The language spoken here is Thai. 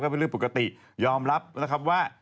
เป็นเรื่องปกติยอมรับนะครับว่า